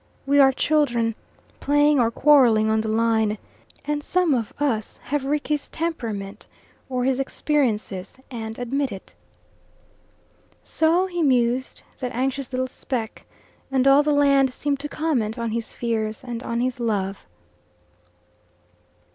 We are children, playing or quarreling on the line, and some of us have Rickie's temperament, or his experiences, and admit it. So he mused, that anxious little speck, and all the land seemed to comment on his fears and on his love.